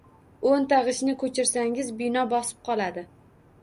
O’nta g’ishtni ko’chirsangiz, bino bosib qoladi…